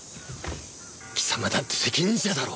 貴様だって責任者だろ！